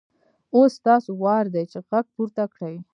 اوس ستاسو وار دی چې غږ پورته کړئ.